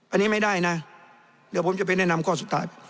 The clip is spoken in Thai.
อันนี้ไม่ได้นะเดี๋ยวผมจะไปแนะนำข้อสุดท้าย